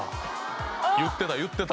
言ってた言ってた。